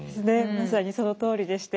まさにそのとおりでして。